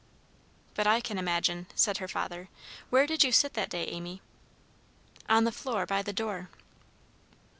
"But I can imagine," said her father. "Where did you sit that day, Amy?" "On the floor, by the door."